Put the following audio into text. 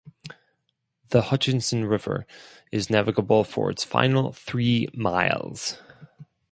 The Hutchinson river is navigable for its final three miles.